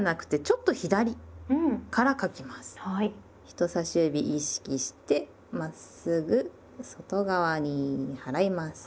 人さし指意識してまっすぐ外側に払います。